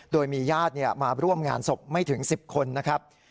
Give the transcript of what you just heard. โดยมีญาติมาร่วมงานศพไม่ถึง๑๐คนนะครับ